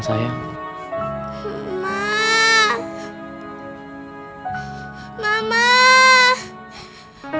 mama nggak jadi pulang